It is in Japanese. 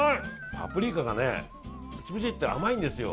パプリカがね、プチプチって甘いんですよ。